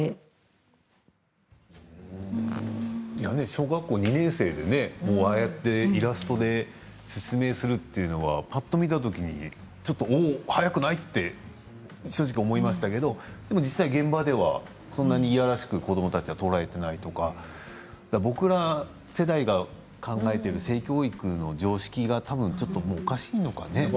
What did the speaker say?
小学校２年生でああやってイラストで説明するというのはぱっと見たときに早くない？って正直思いましたけどでも実際、現場ではそんなにいやらしく子どもたちは捉えていないとか僕ら世代が考えている性教育の常識がたぶんちょっともうおかしいのかね。